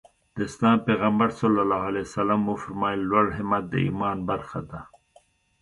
د اسلام پيغمبر ص وفرمايل لوړ همت د ايمان برخه ده.